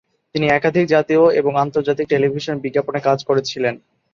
তিনি একাধিক জাতীয় এবং আন্তর্জাতিক টেলিভিশন বিজ্ঞাপনে কাজ করেছিলেন।